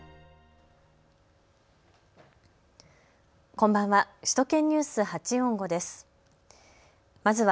こんばんは。